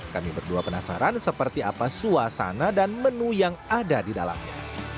kami berdua penasaran seperti apa suasana dan menu yang ada di dalamnya